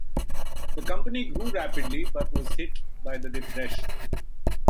The company grew rapidly, but was hit by the depression.